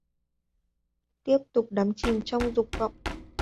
Tiếp tục đắm chìm trong Dục Vọng